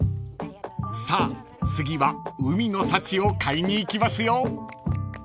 ［さあ次は海の幸を買いに行きますよ］